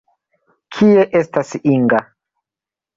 Kie estas Inga?